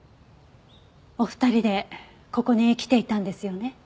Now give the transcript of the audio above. お二人でここに来ていたんですよね。